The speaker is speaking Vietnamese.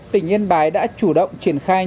tỉnh yên bái đã chủ động triển khai